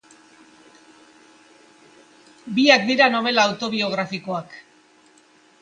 Biak dira nobela autobiografikoak.